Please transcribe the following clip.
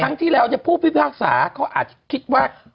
ครั้งที่แล้วผู้พิพากษาเขาอาจจะคิดว่า